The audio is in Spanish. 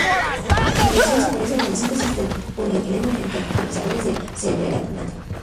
La reacción se parece a la síntesis del polietileno en catalizadores de Ziegler-Nata.